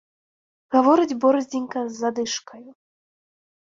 Гаворыць борздзенька з задышкаю.